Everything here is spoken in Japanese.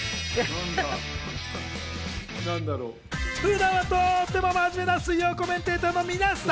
普段はとっても真面目な水曜コメンテーターの皆さん。